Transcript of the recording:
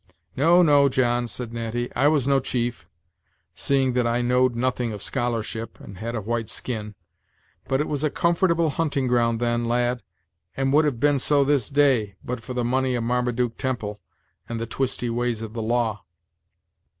"No, no, John," said Natty, "I was no chief, seeing that I knowed nothing of scholarship, and had a white skin. But it was a comfortable hunting ground then, lad, and would have been so this day, but for the money of Marmaduke Temple, and the twisty ways of the law."